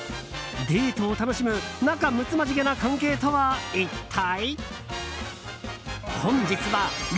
デートを楽しむ仲睦まじげな関係とは一体？